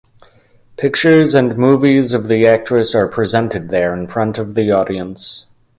Pictures and movies of the actress are presented there in front of the audience.